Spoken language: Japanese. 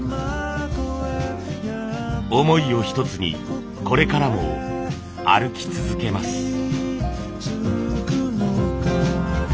思いを一つにこれからも歩き続けます。